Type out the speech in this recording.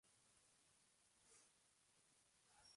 Tenía dos hermanos menores.